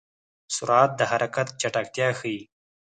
سرعت د حرکت چټکتیا ښيي.